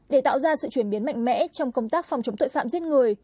để tạo ra sự chuyển biến mạnh mẽ trong công tác phòng chống tội phạm giết người